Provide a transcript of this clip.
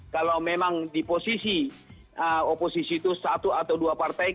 kalau memang di posisi oposisi itu satu atau dua partai